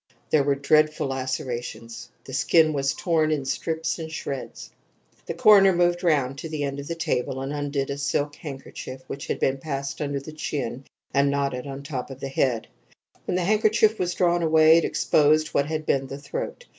There were dreadful lacerations; the skin was torn in strips and shreds. The coroner moved round to the end of the table and undid a silk handkerchief, which had been passed under the chin and knotted on the top of the head. When the handkerchief was drawn away it exposed what had been the throat.